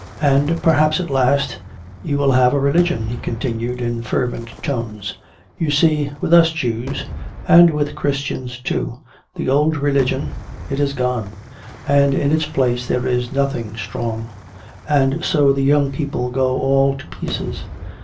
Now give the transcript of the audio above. "And perhaps at last you will have a religion," he continued, in fervent tones. "You see, with us Jews and with Christians, too the old religion, it is gone. And in its place there is nothing strong. And so the young people go all to pieces.